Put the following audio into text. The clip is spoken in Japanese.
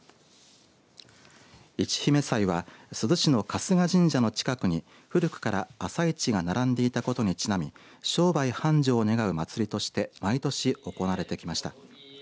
市姫祭は珠洲市の春日神社の近くに古くから朝市が並んでいたことに、ちなみ商売繁盛を願う祭りとして毎年、行われてきました。